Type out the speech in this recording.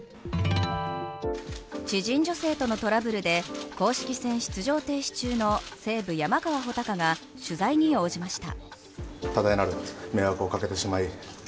知人女性とのトラブルで公式戦出場停止中の西武・山川穂高が取材に応じました。